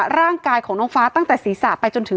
ร่างกายของน้องฟ้าตั้งแต่ศีรษะไปจนถึง